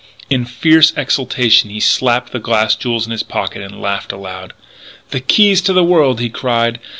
In fierce exultation he slapped the glass jewels in his pocket and laughed aloud. "The keys to the world!" he cried.